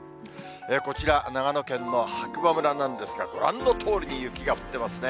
こちら、長野県の白馬村なんですが、ご覧のとおりに雪が降ってますね。